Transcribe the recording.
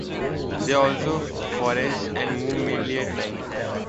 They also forage and move mainly at night.